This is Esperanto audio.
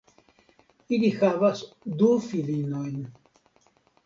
Ili havas du filinojn.